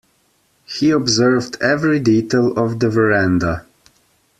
He observed every detail of the verandah.